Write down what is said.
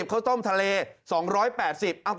ข้าวต้มทะเล๒๘๐บาท